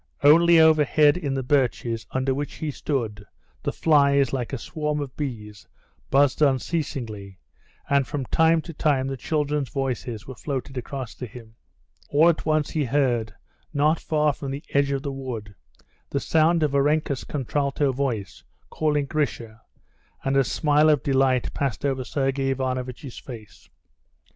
Only overhead in the birches under which he stood, the flies, like a swarm of bees, buzzed unceasingly, and from time to time the children's voices were floated across to him. All at once he heard, not far from the edge of the wood, the sound of Varenka's contralto voice, calling Grisha, and a smile of delight passed over Sergey Ivanovitch's face.